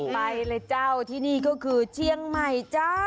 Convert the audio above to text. ไปเลยเจ้าที่นี่ก็คือเชียงใหม่จ้า